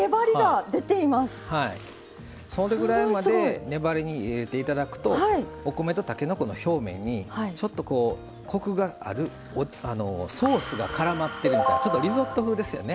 それぐらいまで粘り入れていただくとお米とたけのこの表面にちょっとコクがあるソースがからまってるみたいなちょっとリゾット風ですよね。